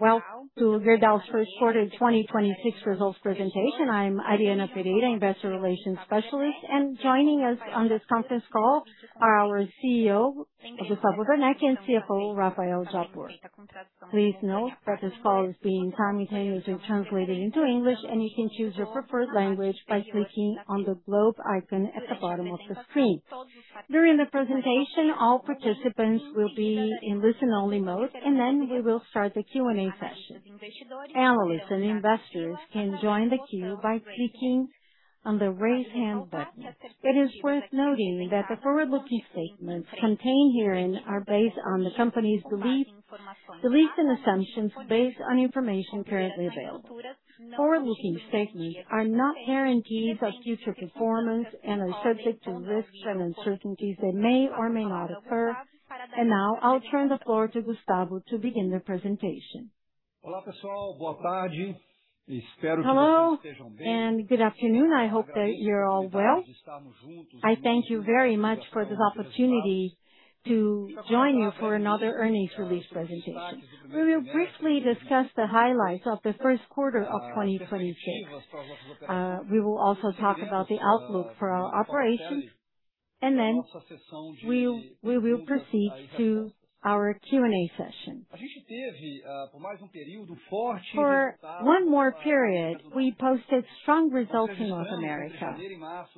Welcome to Gerdau's first quarter 2026 results presentation. I'm Ariana Pereira, Investor Relations Specialist. Joining us on this conference call are our CEO, Gustavo Werneck, and CFO, Rafael Japur. Please note that this call is being simultaneously translated into English. You can choose your preferred language by clicking on the globe icon at the bottom of the screen. During the presentation, all participants will be in listen-only mode. Then we will start the Q&A session. Analysts and investors can join the queue by clicking on the raise hand button. It is worth noting that the forward-looking statements contained herein are based on the company's beliefs and assumptions based on information currently available. Forward-looking statements are not guarantees of future performance and are subject to risks and uncertainties that may or may not occur. Now I'll turn the floor to Gustavo to begin the presentation. Hello and good afternoon. I hope that you're all well. I thank you very much for this opportunity to join you for another earnings release presentation. We will briefly discuss the highlights of the first quarter of 2026. We will also talk about the outlook for our operations, and then we will proceed to our Q&A session. For one more period, we posted strong results in North America.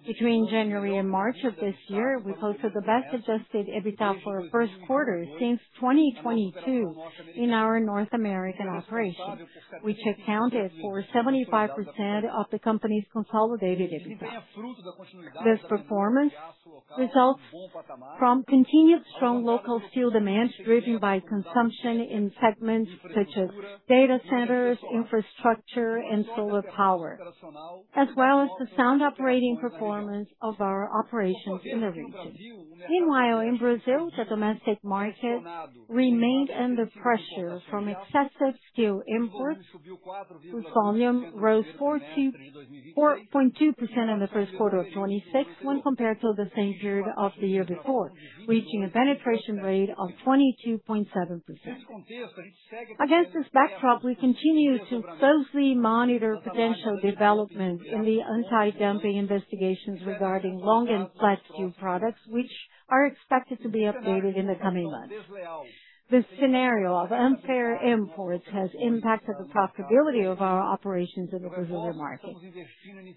Between January and March of this year, we posted the best-Adjusted EBITDA for our first quarter since 2022 in our North American operations, which accounted for 75% of the company's consolidated EBITDA. This performance results from continued strong local steel demand, driven by consumption in segments such as data centers, infrastructure, and solar power, as well as the sound operating performance of our operations in the region. Meanwhile, in Brazil, the domestic market remained under pressure from excessive steel imports, whose volume rose 4.2% in the first quarter of 2026 when compared to the same period of the year before, reaching a penetration rate of 22.7%. Against this backdrop, we continue to closely monitor potential developments in the anti-dumping investigations regarding long and flat steel products, which are expected to be updated in the coming months. This scenario of unfair imports has impacted the profitability of our operations in the Brazilian market.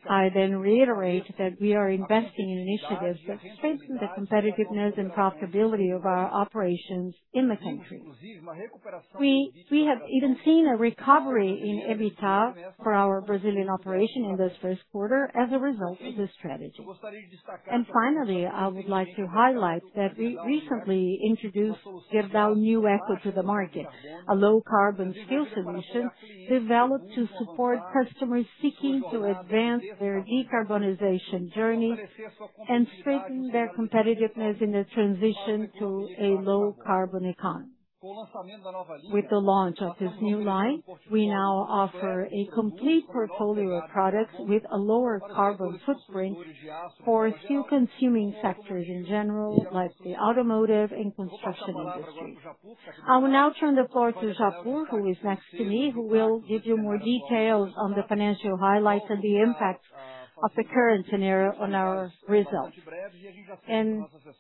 I reiterate that we are investing in initiatives that strengthen the competitiveness and profitability of our operations in the country. We have even seen a recovery in EBITDA for our Brazilian operation in this first quarter as a result of this strategy. Finally, I would like to highlight that we recently introduced Gerdau NewEco to the market, a low carbon steel solution developed to support customers seeking to advance their decarbonization journey and strengthen their competitiveness in the transition to a low carbon economy. With the launch of this new line, we now offer a complete portfolio of products with a lower carbon footprint for steel consuming sectors in general, like the automotive and construction industry. I will now turn the floor to Japur, who is next to me, who will give you more details on the financial highlights and the impact of the current scenario on our results.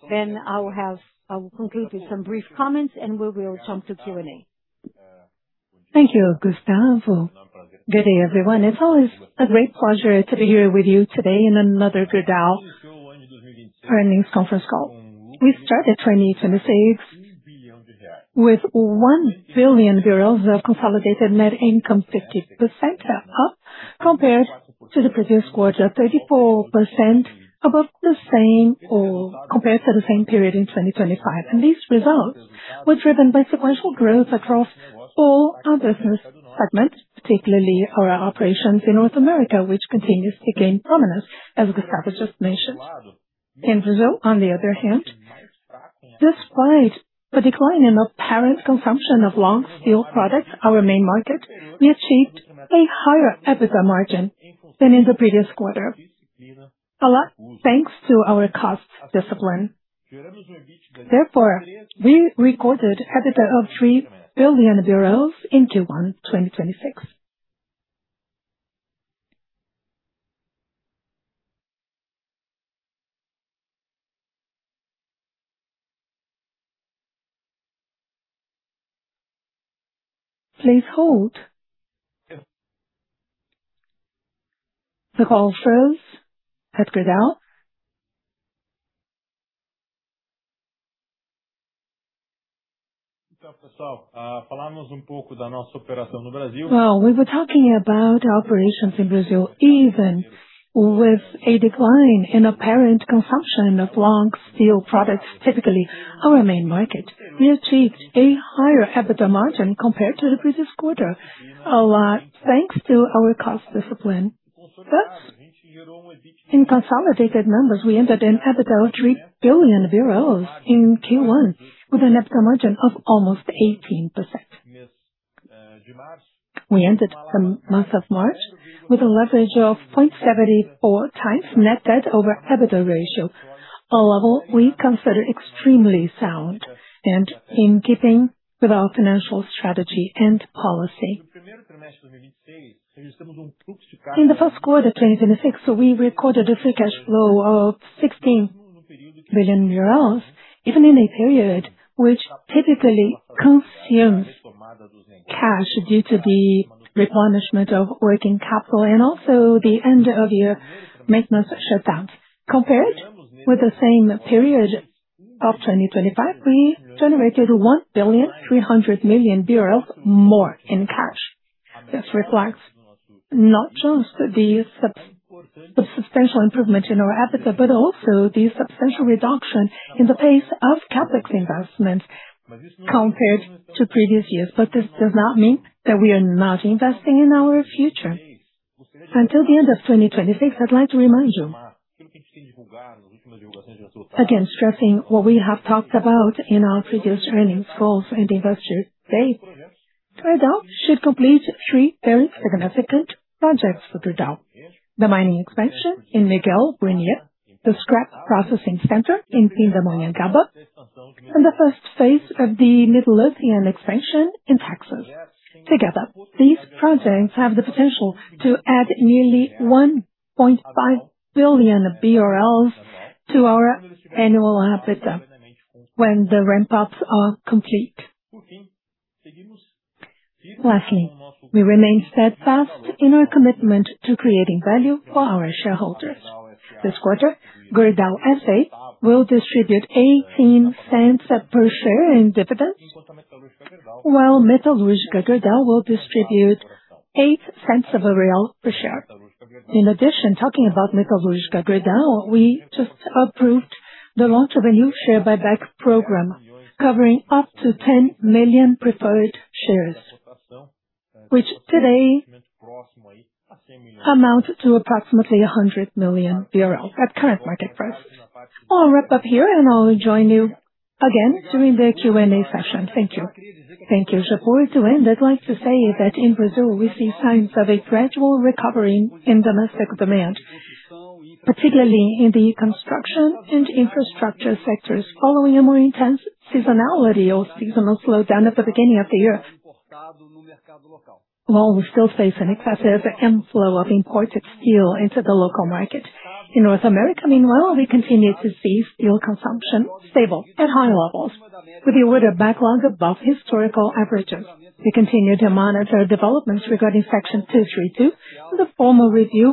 Then I will conclude with some brief comments, and we will jump to Q&A. Thank you, Gustavo. Good day, everyone. It's always a great pleasure to be here with you today in another Gerdau earnings conference call. We started 2026 with 1 billion BRL of consolidated net income, 50% up compared to the previous quarter, 34% above the same, or compared to the same period in 2025. These results were driven by sequential growth across all our business segments, particularly our operations in North America, which continues to gain prominence, as Gustavo just mentioned. In Brazil, on the other hand, despite the decline in apparent consumption of long steel products, our main market, we achieved a higher EBITDA margin than in the previous quarter, a lot thanks to our cost discipline. Therefore, we recorded EBITDA of BRL 3 billion in Q1, 2026. Well, we were talking about our operations in Brazil, even with a decline in apparent consumption of long steel products, typically our main market. We achieved a higher EBITDA margin compared to the previous quarter, a lot thanks to our cost discipline. Thus, in consolidated numbers, we ended in EBITDA of BRL 3 billion in Q1, with an EBITDA margin of almost 18%. We ended the month of March with a leverage of 0.74x net debt over EBITDA ratio, a level we consider extremely sound and in keeping with our financial strategy and policy. In the first quarter 2026, we recorded a free cash flow of BRL 16 billion, even in a period which typically consumes cash due to the replenishment of working capital and also the end of year maintenance shutdowns. Compared with the same period of 2025, we generated 1.3 billion more in cash. This reflects not just the substantial improvement in our EBITDA, but also the substantial reduction in the pace of CapEx investments compared to previous years. This does not mean that we are not investing in our future. Until the end of 2026, I'd like to remind you. Again, stressing what we have talked about in our previous earnings calls and Investor Day. Gerdau should complete three very significant projects for Gerdau. The mining expansion in Miguel Burnier, the scrap processing center in Pindamonhangaba, and the first phase of the metallurgical expansion in Texas. Together, these projects have the potential to add nearly 1.5 billion BRL to our annual EBITDA when the ramp-ups are complete. Lastly, we remain steadfast in our commitment to creating value for our shareholders. This quarter, Gerdau S.A. will distribute 0.18 per share in dividends, while Metalurgica Gerdau will distribute 0.08 per share. In addition, talking about Metalurgica Gerdau, we just approved the launch of a new share buyback program covering up to 10 million preferred shares, which today amount to approximately BRL 100 million at current market price. I'll wrap up here, and I'll join you again during the Q&A session. Thank you. Thank you, Japur. To end, I'd like to say that in Brazil we see signs of a gradual recovery in domestic demand, particularly in the construction and infrastructure sectors, following a more intense seasonality or seasonal slowdown at the beginning of the year. We still face an excessive inflow of imported steel into the local market. In North America, meanwhile, we continue to see steel consumption stable at high levels with the order backlog above historical averages. We continue to monitor developments regarding Section 232 and the formal review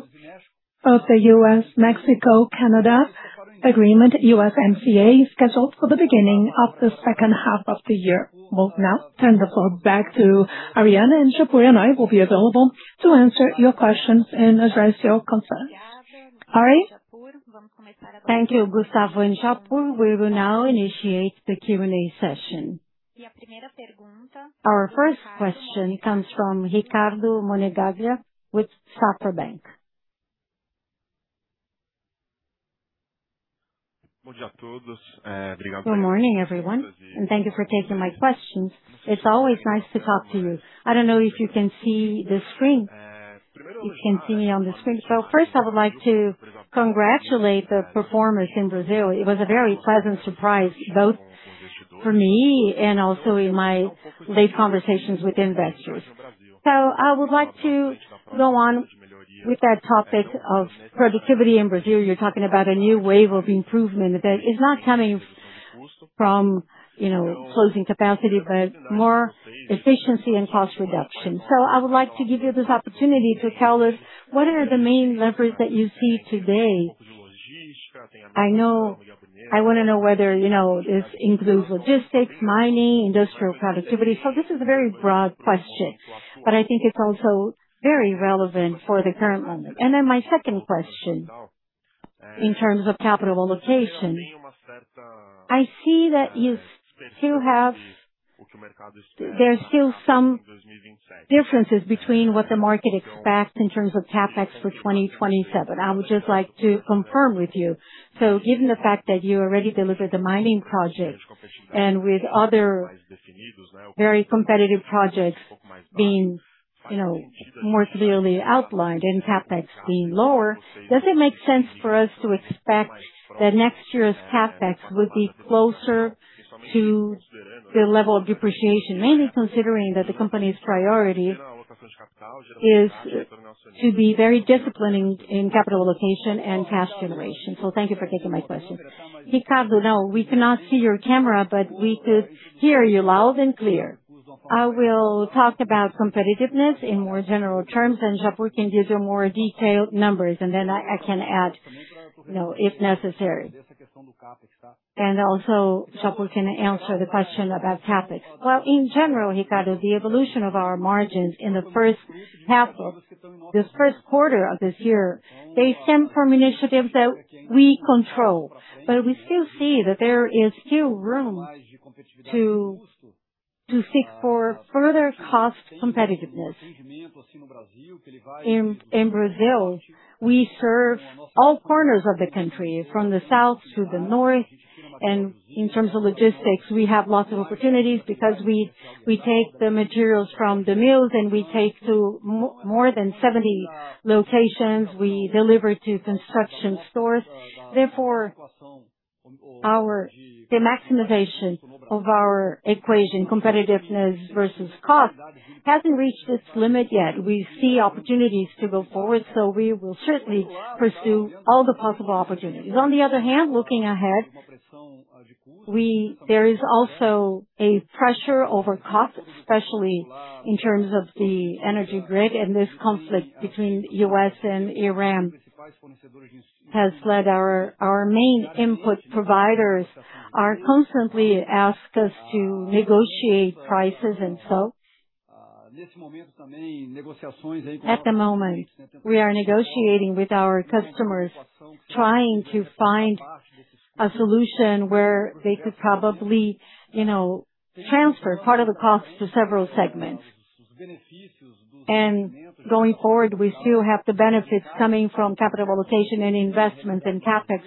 of the U.S., Mexico, Canada Agreement, USMCA, scheduled for the beginning of the second half of the year. We'll now turn the floor back to Ariana and Japur. I will be available to answer your questions and address your concerns. Ariana? Thank you, Gustavo and Japur. We will now initiate the Q&A session. Our first question comes from Ricardo Monegaglia with Safra Bank. Good morning, everyone, and thank you for taking my questions. It's always nice to talk to you. I don't know if you can see the screen. You can see me on the screen. First, I would like to congratulate the performers in Brazil. It was a very pleasant surprise, both for me and also in my late conversations with investors. I would like to go on with that topic of productivity in Brazil. You're talking about a new wave of improvement that is not coming from, you know, closing capacity, but more efficiency and cost reduction. I would like to give you this opportunity to tell us what are the main levers that you see today. I wanna know whether, you know, this includes logistics, mining, industrial productivity. This is a very broad question, but I think it's also very relevant for the current moment. My second question, in terms of capital allocation. I see that there's still some differences between what the market expects in terms of CapEx for 2027. I would just like to confirm with you. Given the fact that you already delivered the mining project and with other very competitive projects being, you know, more clearly outlined and CapEx being lower, does it make sense for us to expect that next year's CapEx would be closer to the level of depreciation? Mainly considering that the company's priority is to be very disciplined in capital allocation and cash generation. Thank you for taking my question. Ricardo, no, we cannot see your camera, but we could hear you loud and clear. I will talk about competitiveness in more general terms, and Japur can give you more detailed numbers, and then I can add, you know, if necessary. Also Japur can answer the question about CapEx. Well, in general, Ricardo, the evolution of our margins in the first half of this first quarter of this year, they stem from initiatives that we control. We still see that there is still room to seek for further cost competitiveness. In Brazil, we serve all corners of the country, from the south to the north. In terms of logistics, we have lots of opportunities because we take the materials from the mills and we take to more than 70 locations, we deliver to construction stores. Therefore, the maximization of our equation competitiveness versus cost hasn't reached its limit yet. We see opportunities to go forward, so we will certainly pursue all the possible opportunities. On the other hand, looking ahead, there is also a pressure over costs, especially in terms of the energy grid, and this conflict between U.S. and Iran has led our main input providers are constantly ask us to negotiate prices. At the moment, we are negotiating with our customers, trying to find a solution where they could probably, you know, transfer part of the cost to several segments. Going forward, we still have the benefits coming from capital allocation and investment and CapEx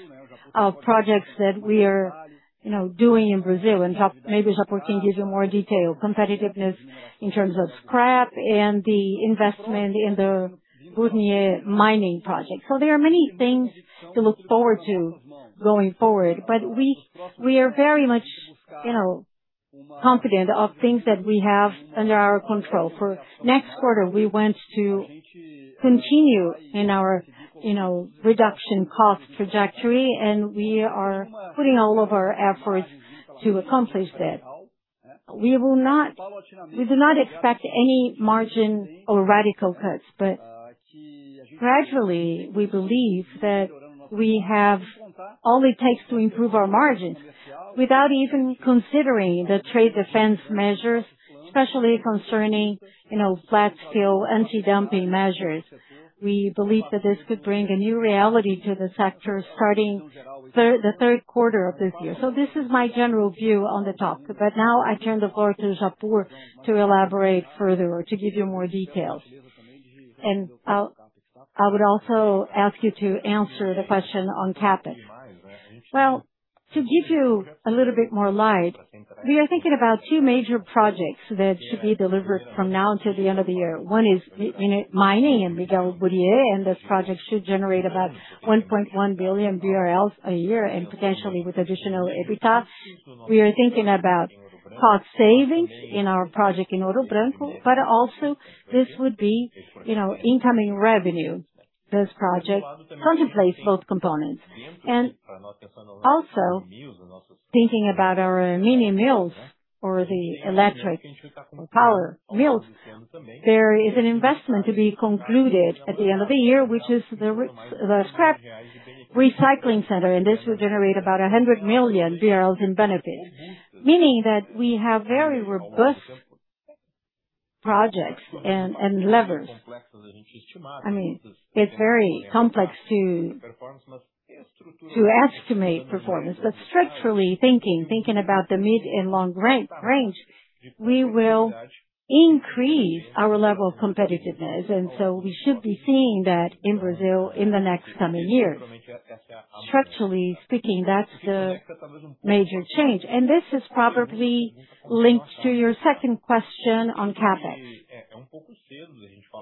of projects that we are, you know, doing in Brazil. Japur can give you more detail, competitiveness in terms of scrap and the investment in the Miguel Burnier mining project. There are many things to look forward to going forward, but we are very much, you know, confident of things that we have under our control. For next quarter, we want to continue in our, you know, reduction cost trajectory, and we are putting all of our efforts to accomplish that. We do not expect any margin or radical cuts. Gradually, we believe that we have all it takes to improve our margins. Without even considering the trade defense measures, especially concerning, you know, flat steel anti-dumping measures. We believe that this could bring a new reality to the sector starting the third quarter of this year. This is my general view on the topic. Now I turn the floor to Japur to elaborate further or to give you more details. I would also ask you to answer the question on CapEx. To give you a little bit more light, we are thinking about two major projects that should be delivered from now until the end of the year. One is in mining in Miguel Burnier, and this project should generate about 1.1 billion BRL a year and potentially with additional EBITDA. We are thinking about cost savings in our project in Ouro Branco, but also this would be, you know, incoming revenue. This project contemplates both components. Also thinking about our mini mills or the electric power mills, there is an investment to be concluded at the end of the year, which is the scrap recycling center, and this will generate about 100 million in benefits. Meaning that we have very robust projects and levers. I mean, it's very complex to estimate performance. Structurally thinking about the mid and long range, we will increase our level of competitiveness, so we should be seeing that in Brazil in the next coming years. Structurally speaking, that's the major change. This is probably linked to your second question on CapEx.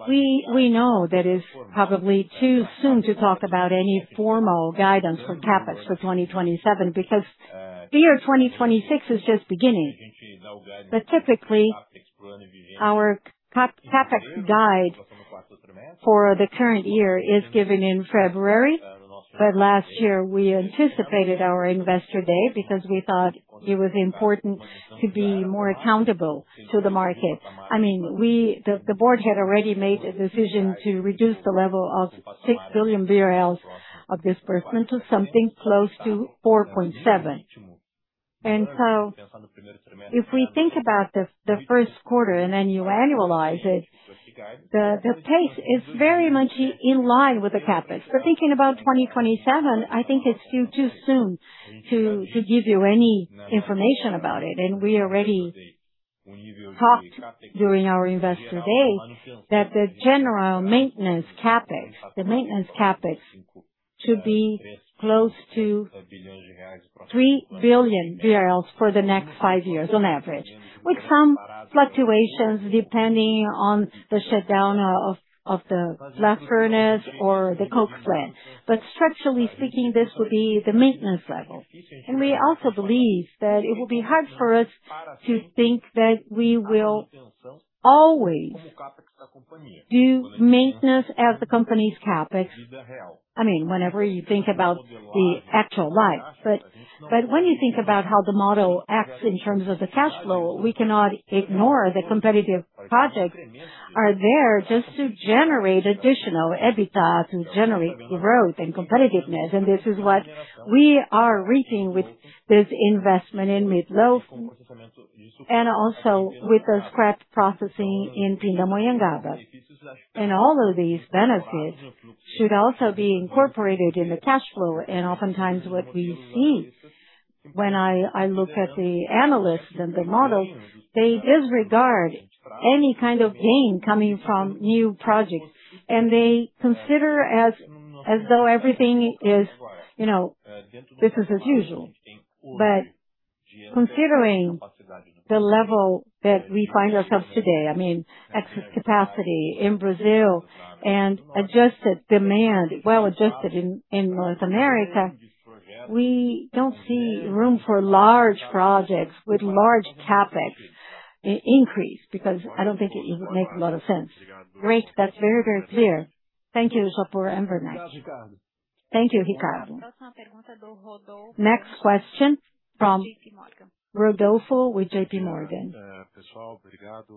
We know that it's probably too soon to talk about any formal guidance for CapEx for 2027, because the year 2026 is just beginning. Typically, our CapEx guide for the current year is given in February. Last year, we anticipated our Investor Day because we thought it was important to be more accountable to the market. I mean, the board had already made a decision to reduce the level of 6 billion BRL of disbursement to something close to 4.7 billion. If we think about the first quarter and then you annualize it, the pace is very much in line with the CapEx. Thinking about 2027, I think it's still too soon to give you any information about it. We already talked during our Investor Day that the general maintenance CapEx, the maintenance CapEx to be close to 3 billion for the next five years on average, with some fluctuations depending on the shutdown of the blast furnace or the coke plant. Structurally speaking, this would be the maintenance level. We also believe that it will be hard for us to think that we will always do maintenance as the company's CapEx. I mean, whenever you think about the actual life. When you think about how the model acts in terms of the cash flow, we cannot ignore the competitive projects are there just to generate additional EBITDA, to generate growth and competitiveness. This is what we are reaching with this investment in Miguel Burnier and also with the scrap processing in Pindamonhangaba. All of these benefits should also be incorporated in the cash flow. Oftentimes what we see when I look at the analysts and the models, they disregard any kind of gain coming from new projects, and they consider as though everything is, you know, business as usual. Considering the level that we find ourselves today, I mean, at capacity in Brazil and adjusted demand, well adjusted in North America, we don't see room for large projects with large CapEx increase, because I don't think it makes a lot of sense. Great. That's very clear. Thank you, Japur and Werneck. Thank you, Ricardo. Next question from Rodolfo with J.P. Morgan.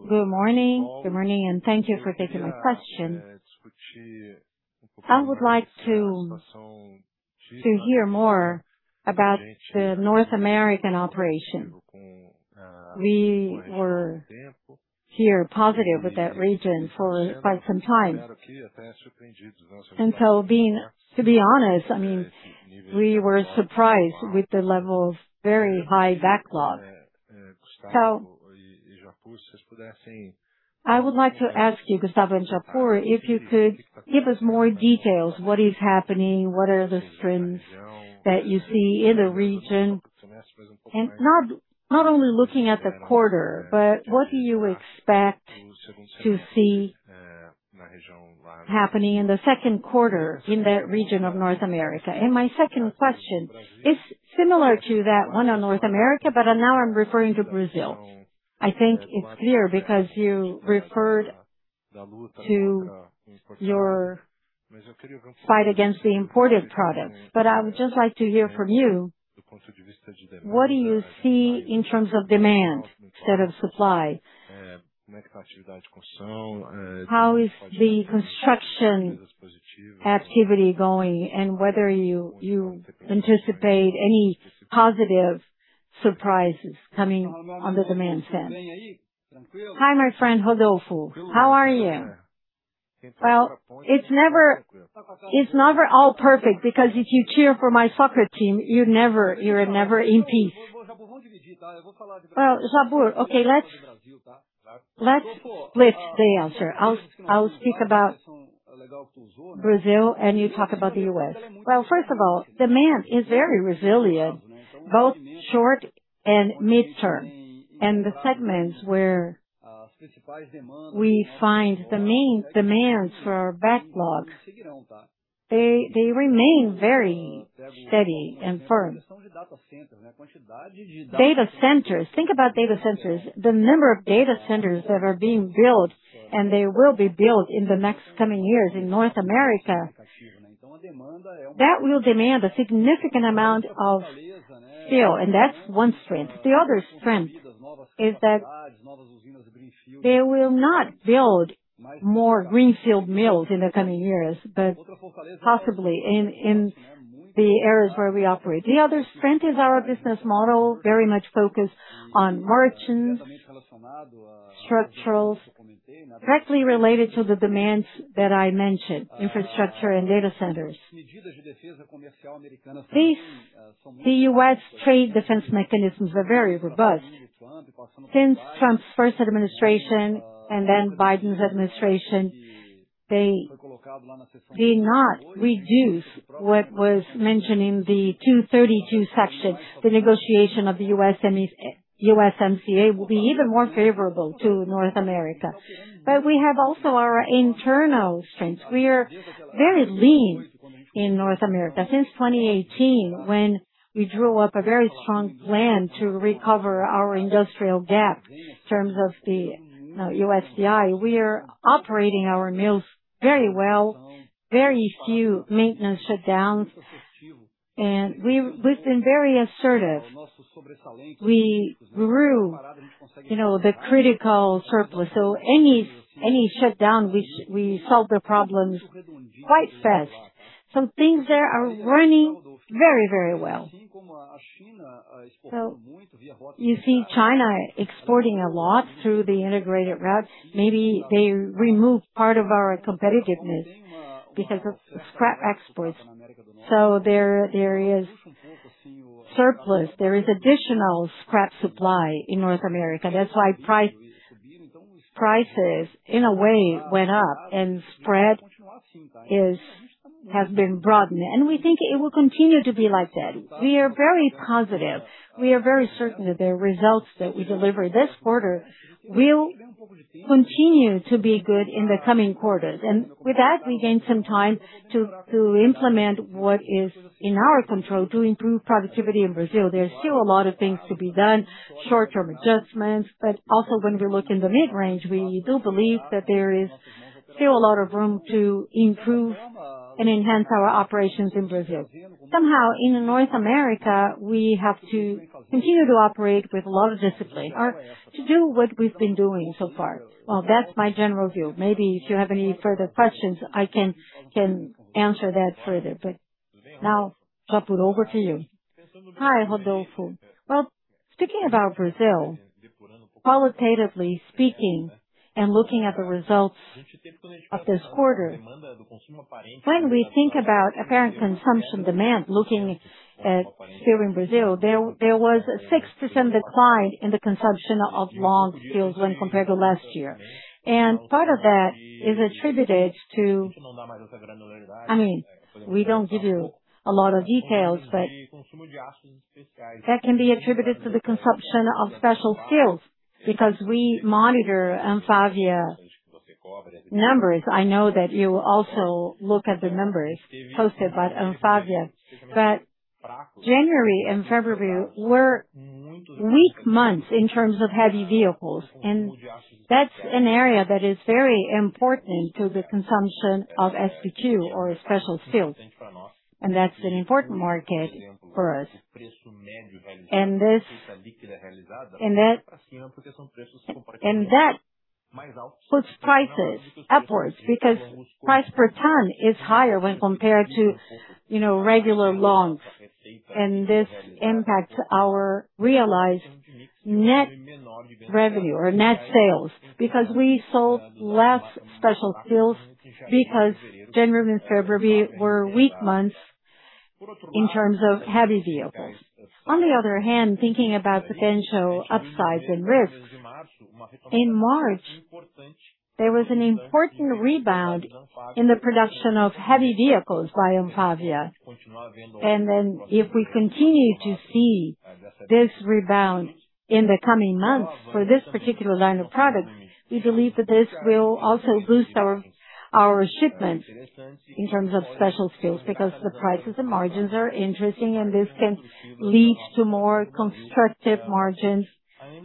Good morning. Good morning, thank you for taking my question. I would like to hear more about the North American operation. We were here positive with that region for quite some time. To be honest, I mean, we were surprised with the level of very high backlog. I would like to ask you, Gustavo and Japur, if you could give us more details, what is happening? What are the strengths that you see in the region? Not, not only looking at the quarter, but what do you expect to see happening in the second quarter in the region of North America? My second question is similar to that one on North America, but now I'm referring to Brazil. I think it's clear because you referred to your fight against the imported products. I would just like to hear from you, what do you see in terms of demand instead of supply? How is the construction activity going, and whether you anticipate any positive surprises coming on the demand side? Hi, my friend Rodolfo. How are you? It's never all perfect, because if you cheer for my soccer team, you're never in peace. Japur, okay, let's split the answer. I'll speak about Brazil, and you talk about the U.S. First of all, demand is very resilient, both short and mid-term. The segments where we find the main demands for our backlog, they remain very steady and firm. Data centers. Think about data centers. The number of data centers that are being built, and they will be built in the next coming years in North America. That will demand a significant amount of steel, and that's one strength. The other strength is that they will not build more greenfield mills in the coming years, but possibly in the areas where we operate. The other strength is our business model, very much focused on margins, structurals, directly related to the demands that I mentioned, infrastructure and data centers. The U.S. trade defense mechanisms are very robust. Since Trump's first administration and then Biden's administration, they did not reduce what was mentioned in the 232 section. The negotiation of the U.S. USMCA will be even more favorable to North America. We have also our internal strengths. We are very lean in North America. Since 2018, when we drew up a very strong plan to recover our industrial debt in terms of the USDI, we are operating our mills very well, very few maintenance shutdowns, and we've been very assertive. We grew, you know, the critical spares. Any shutdown, we solve the problems quite fast. Things there are running very, very well. You see China exporting a lot through the integrated route. Maybe they removed part of our competitiveness because of scrap exports. There is surplus. There is additional scrap supply in North America. That is why prices, in a way, went up and spread has been broadened. We think it will continue to be like that. We are very positive. We are very certain that the results that we deliver this quarter will continue to be good in the coming quarters. With that, we gain some time to implement what is in our control to improve productivity in Brazil. There is still a lot of things to be done, short-term adjustments. Also when we look in the mid-range, we do believe that there is still a lot of room to improve and enhance our operations in Brazil. Somehow, in North America, we have to continue to operate with a lot of discipline or to do what we've been doing so far. That's my general view. Maybe if you have any further questions, I can answer that further. Japur, over to you. Hi, Rodolfo. Speaking about Brazil, qualitatively speaking and looking at the results of this quarter, when we think about apparent consumption demand, looking at steel in Brazil, there was a 6% decline in the consumption of long steels when compared to last year. Part of that is attributed to, I mean, we don't give you a lot of details, but that can be attributed to the consumption of special steels. We monitor ANFAVEA numbers. I know that you also look at the numbers posted by ANFAVEA. January and February were weak months in terms of heavy vehicles, and that's an area that is very important to the consumption of SBQ or special steels, and that's an important market for us. This puts prices upwards because price per ton is higher when compared to, you know, regular longs. This impacts our realized net revenue or net sales because we sold less special steels because January and February were weak months in terms of heavy vehicles. On the other hand, thinking about potential upsides and risks, in March, there was an important rebound in the production of heavy vehicles by ANFAVEA. If we continue to see this rebound in the coming months for this particular line of products, we believe that this will also boost our shipments in terms of special steels. Because the prices and margins are interesting, and this can lead to more constructive margins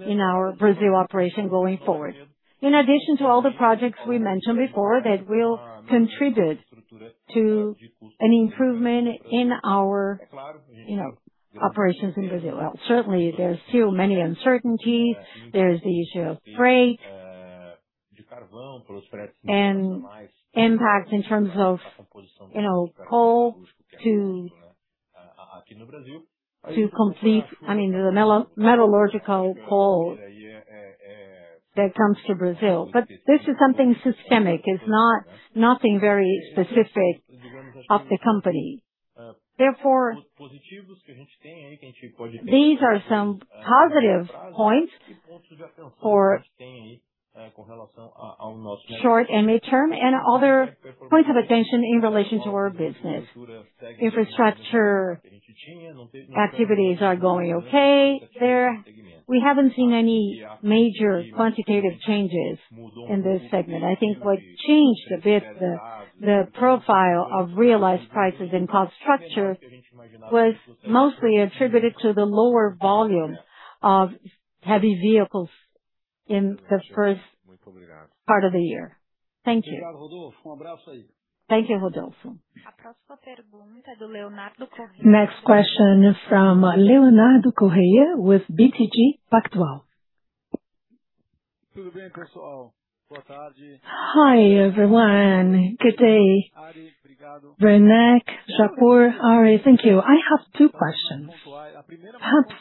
in our Brazil operation going forward. In addition to all the projects we mentioned before that will contribute to an improvement in our, you know, operations in Brazil. Well, certainly there are still many uncertainties. There's the issue of freight and impact in terms of, you know, coal to complete, I mean, the metallurgical coal that comes to Brazil. This is something systemic. It's not nothing very specific of the company. Therefore, these are some positive points for short and mid-term and other points of attention in relation to our business. Infrastructure activities are going okay there. We haven't seen any major quantitative changes in this segment. I think what changed a bit the profile of realized prices and cost structure was mostly attributed to the lower volume of heavy vehicles in the first part of the year. Thank you. Thank you, Rodolfo. Next question is from Leonardo Correa with BTG Pactual. Hi, everyone. Good day. Rafael, Japur, Ari, thank you. I have two questions. Perhaps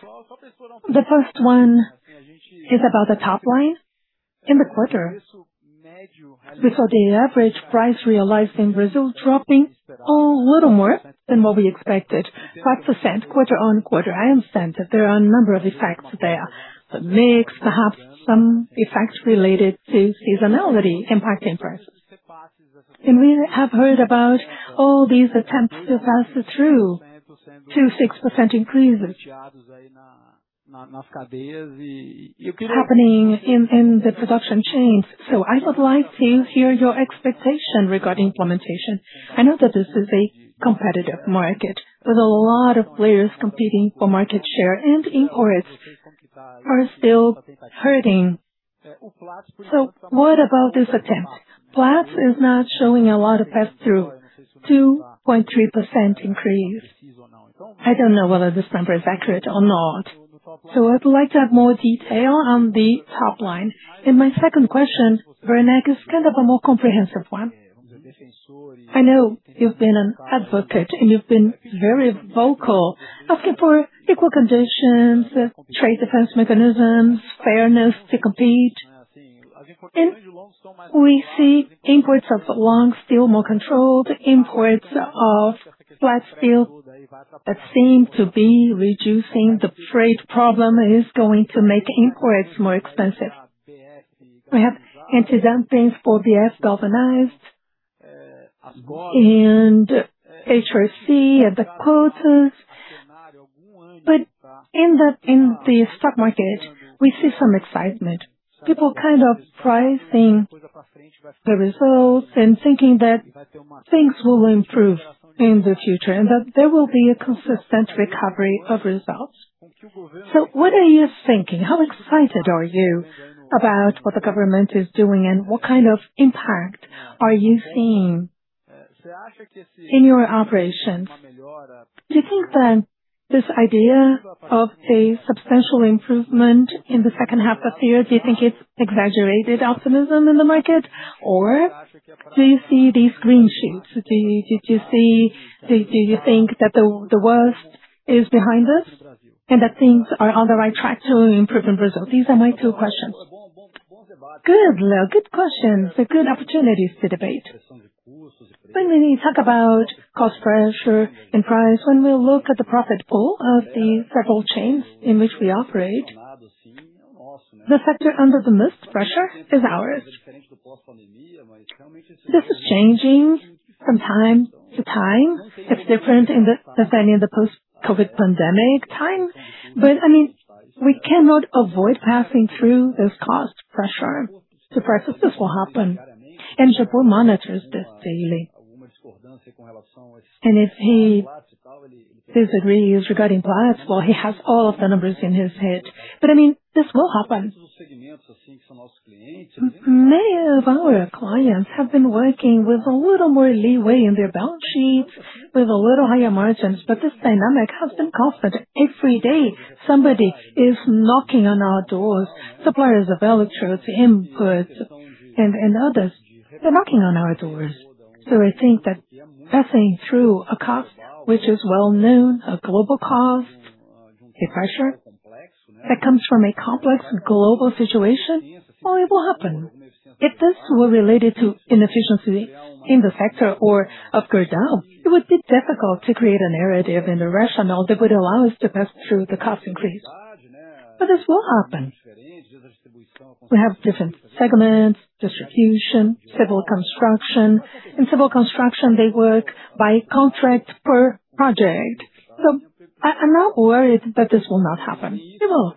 the first one is about the top line. In the quarter, we saw the average price realized in Brazil dropping a little more than what we expected, 5% QoQ. I understand that there are a number of effects there. Mix perhaps some effects related to seasonality impacting prices. We have heard about all these attempts to pass through to 6% increases happening in the production chains. I would like to hear your expectation regarding implementation. I know that this is a competitive market with a lot of players competing for market share, and imports are still hurting. What about this attempt? Platts is not showing a lot of pass-through, 2.3% increase. I don't know whether this number is accurate or not. I would like to have more detail on the top line. My second question, Werneck, is kind of a more comprehensive one. I know you've been an advocate, and you've been very vocal asking for equal conditions, trade defense mechanisms, fairness to compete. We see imports of long steel more controlled, imports of flat steel that seem to be reducing. The freight problem is going to make imports more expensive. We have anti-dumping for BF galvanized and HRC and the quotas. In the stock market, we see some excitement. People kind of pricing the results and thinking that things will improve in the future and that there will be a consistent recovery of results. What are you thinking? How excited are you about what the government is doing, and what kind of impact are you seeing in your operations? Do you think that this idea of a substantial improvement in the second half of the year, do you think it's exaggerated optimism in the market, or do you see these green shoots? Do you think that the worst is behind us and that things are on the right track to improve in Brazil? These are my two questions. Good, Leo. Good questions. They are good opportunities to debate. When we talk about cost pressure and price, when we look at the profit pool of the several chains in which we operate, the sector under the most pressure is ours. This is changing From time to time. It's different in the, than in the post COVID pandemic time. I mean, we cannot avoid passing through this cost pressure. The prices, this will happen. Japur monitors this daily. If he disagrees regarding price, well, he has all of the numbers in his head. I mean, this will happen. Many of our clients have been working with a little more leeway in their balance sheets, with a little higher margins, but this dynamic has been constant. Every day, somebody is knocking on our doors. Suppliers of electrodes, inputs, and others, they're knocking on our doors. I think that passing through a cost which is well-known, a global cost, the pressure that comes from a complex global situation, well, it will happen. If this were related to inefficiency in the sector or of Gerdau, it would be difficult to create a narrative and a rationale that would allow us to pass through the cost increase. This will happen. We have different segments, distribution, civil construction. In civil construction, they work by contract per project. I'm not worried that this will not happen. It will.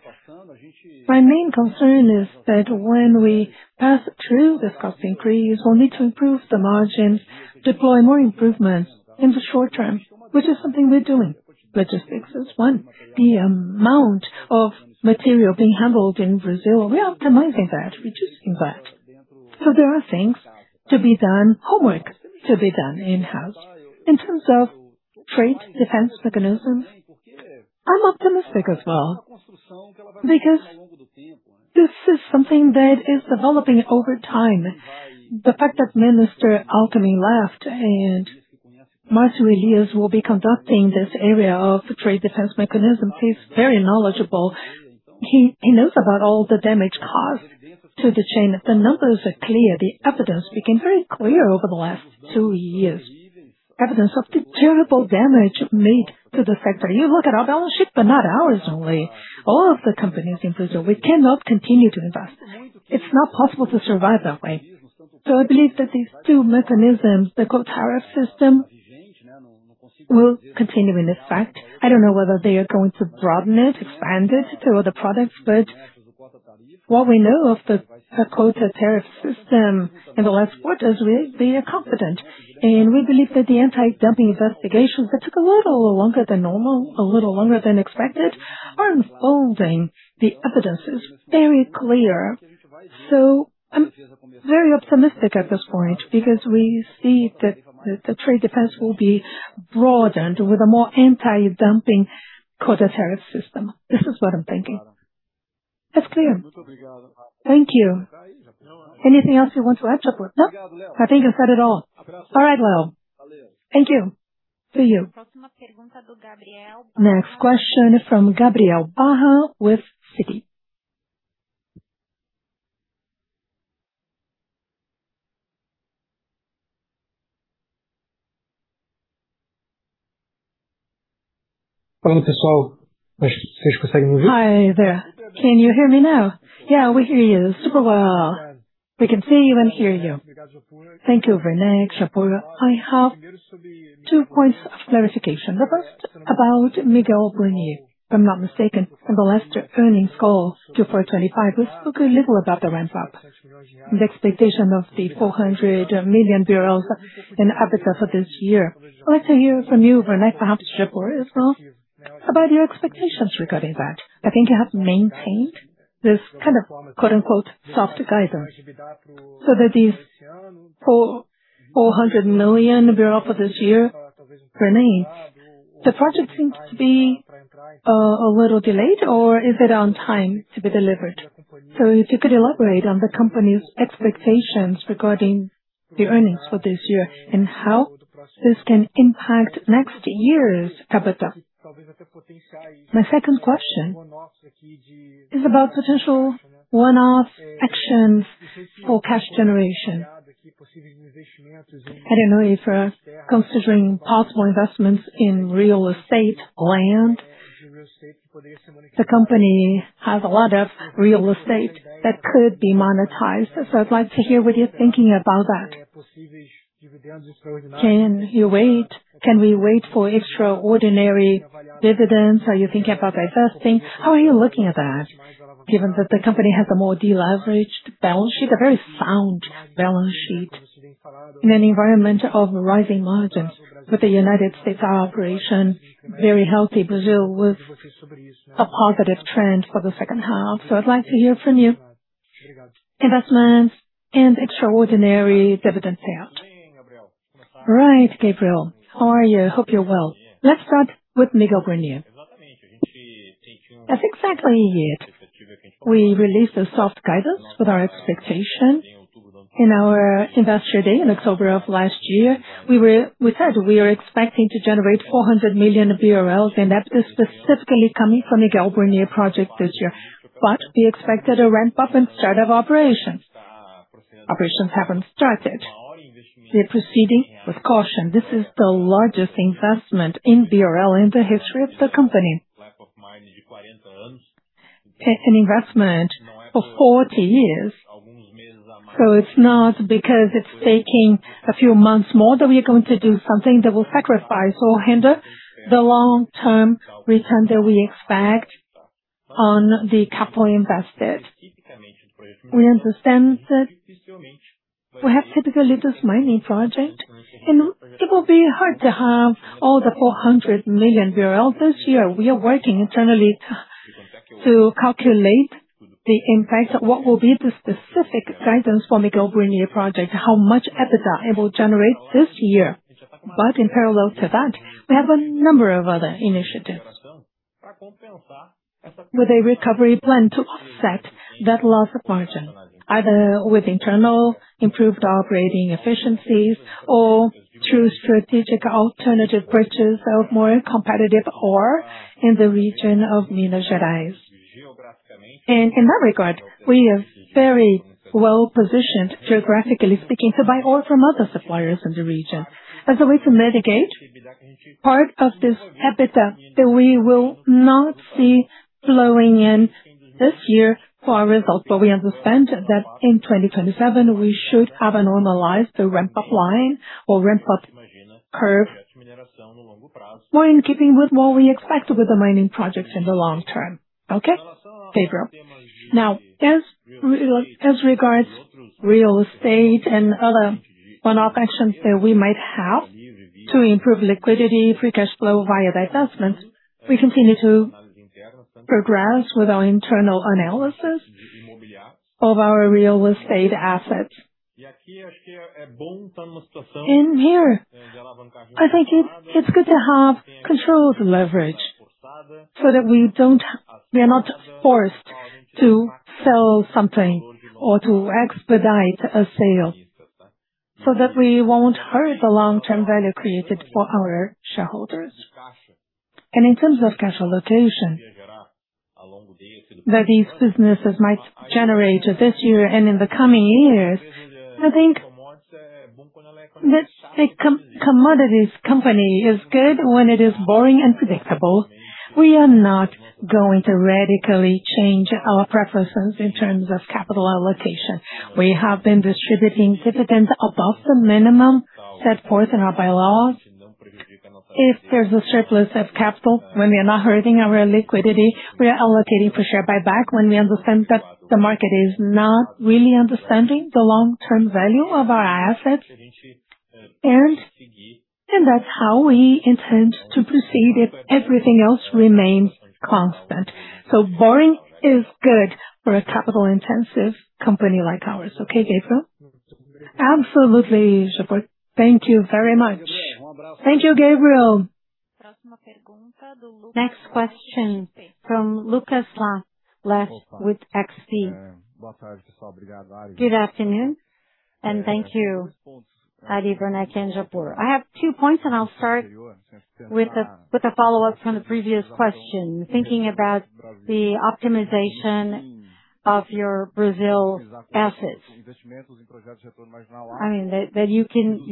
My main concern is that when we pass through this cost increase, we'll need to improve the margins, deploy more improvements in the short term, which is something we're doing. Logistics is one. The amount of material being handled in Brazil, we're optimizing that, reducing that. There are things to be done, homework to be done in-house. In terms of trade defense mechanisms, I'm optimistic as well because this is something that is developing over time. The fact that Minister Geraldo Alckmin left and Marjorie Olivas will be conducting this area of trade defense mechanism, he is very knowledgeable. He knows about all the damage caused to the chain. The numbers are clear. The evidence became very clear over the last two years. Evidence of the terrible damage made to the sector. You look at our balance sheet, but not ours only. All of the companies in Brazil, we cannot continue to invest. It is not possible to survive that way. I believe that these two mechanisms, the quota tariff system, will continue in effect. I do not know whether they are going to broaden it, expand it to other products. What we know of the quota tariff system in the last quarters, we are confident. We believe that the anti-dumping investigations that took a little longer than normal, a little longer than expected, are unfolding. The evidence is very clear. I'm very optimistic at this point because we see that the trade defense will be broadened with a more anti-dumping quota tariff system. This is what I'm thinking. That's clear. Thank you. Anything else you want to add, Japur? No, I think you said it all. All right, Leo. Thank you. To you. Next question is from Gabriel Barra with Citi. Hi there. Can you hear me now? Yeah, we hear you super well. We can see you and hear you. Thank you, Werneck, Japur. I have two points of clarification. The first about Miguel Burnier. If I'm not mistaken, in the last earnings call, 2.25, you spoke a little about the ramp up. The expectation of the 400 million BRL in EBITDA for this year. I'd like to hear from you, Werneck, perhaps Japur as well, about your expectations regarding that. I think you have maintained this kind of quote, unquote, "soft guidance" BRL 400 million for this year. Werneck, the project seems to be a little delayed, or is it on time to be delivered? If you could elaborate on the company's expectations regarding the earnings for this year and how this can impact next year's EBITDA. My second question is about potential one-off actions for cash generation. I don't know if you're considering possible investments in real estate land. The company has a lot of real estate that could be monetized. I'd like to hear what you're thinking about that. Can you wait? Can we wait for extraordinary dividends? Are you thinking about divesting? How are you looking at that, given that the company has a more leveraged balance sheet, a very sound balance sheet in an environment of rising margins with the U.S. operation, very healthy Brazil with a positive trend for the second half. I'd like to hear from you. Investments and extraordinary dividend payout. Right, Gabriel. How are you? Hope you're well. Let's start with Miguel Burnier. That's exactly it. We released a soft guidance with our expectation in our Investor Day in October last year. We said we are expecting to generate 400 million BRL, and that is specifically coming from Miguel Burnier project this year. We expected a ramp-up and start of operations. Operations haven't started. We're proceeding with caution. This is the largest investment in BRL in the history of the company. It's an investment of 40 years. It's not because it's taking a few months more that we are going to do something that will sacrifice or hinder the long-term return that we expect on the capital invested. We understand that perhaps typically this mining project, and it will be hard to have all the 400 million this year. We are working internally to calculate the impact of what will be the specific guidance for Miguel Burnier project, how much EBITDA it will generate this year. In parallel to that, we have a number of other initiatives. With a recovery plan to offset that loss of margin, either with internal improved operating efficiencies or through strategic alternative purchase of more competitive ore in the region of Minas Gerais. In that regard, we are very well-positioned, geographically speaking, to buy ore from other suppliers in the region. As a way to mitigate part of this EBITDA that we will not see flowing in this year for our results. We understand that in 2027 we should have a normalized the ramp-up line or ramp-up curve. More in keeping with what we expect with the mining projects in the long term. Okay, Gabriel. Now, as regards real estate and other one-off actions that we might have to improve liquidity, free cash flow via divestments, we continue to progress with our internal analysis of our real estate assets. Here, I think it's good to have controls leverage so that we are not forced to sell something or to expedite a sale, so that we won't hurt the long-term value created for our shareholders. In terms of cash allocation, that these businesses might generate this year and in the coming years, I think that a commodities company is good when it is boring and predictable. We are not going to radically change our preferences in terms of capital allocation. We have been distributing dividends above the minimum set forth in our bylaws. If there's a surplus of capital, when we are not hurting our liquidity, we are allocating for share buyback when we understand that the market is not really understanding the long-term value of our assets. That's how we intend to proceed if everything else remains constant. Boring is good for a capital-intensive company like ours. Okay, Gabriel? Absolutely, Japur. Thank you very much. Thank you, Gabriel. Next question from Lucas Laghi with XP. Good afternoon. Thank you, Ari, Werneck and Japur. I have two points. I'll start with a follow-up from the previous question, thinking about the optimization of your Brazil assets. I mean, that you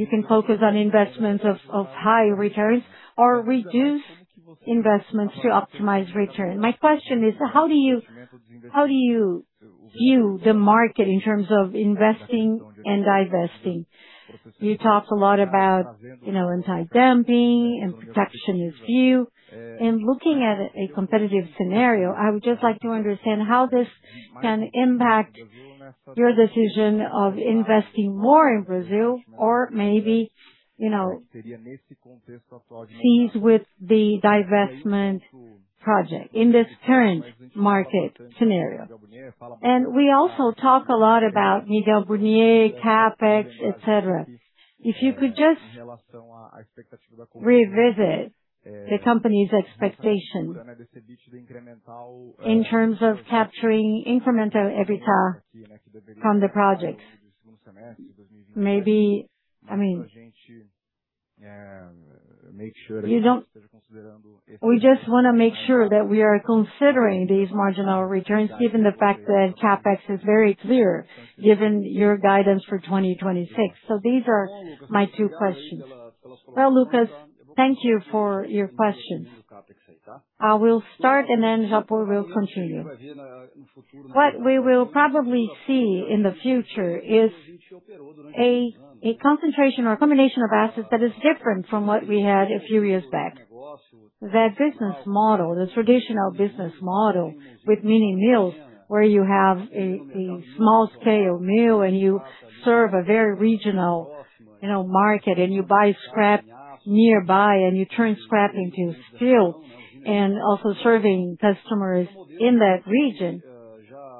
can focus on investments of high returns or reduce investments to optimize return. My question is, how do you view the market in terms of investing and divesting? You talked a lot about, you know, anti-dumping and protectionist view. Looking at a competitive scenario, I would just like to understand how this can impact your decision of investing more in Brazil or maybe, you know, cease with the divestment project in this current market scenario. We also talk a lot about Miguel Burnier, CapEx, et cetera. If you could just revisit the company's expectation in terms of capturing incremental EBITDA from the projects. Maybe, I mean, we just wanna make sure that we are considering these marginal returns, given the fact that CapEx is very clear, given your guidance for 2026. These are my two questions. Well, Lucas, thank you for your questions. We'll start and then Japur will continue. What we will probably see in the future is a concentration or combination of assets that is different from what we had a few years back. That business model, the traditional business model with many mills, where you have a small scale mill and you serve a very regional, you know, market, and you buy scrap nearby and you turn scrap into steel and also serving customers in that region.